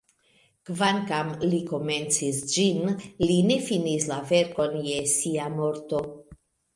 Kvankam Li komencis ĝin, Li ne finis la verkon je Sia morto.